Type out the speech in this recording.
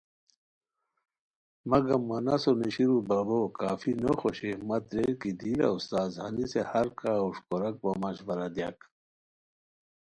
مگم مہ نسو نیشیرو بابو کافی نوخوشئیے مت ریر کی دی لہ استاذ ہنیسے ہرکا ہوݰ کوراک وا مشورہ دیاک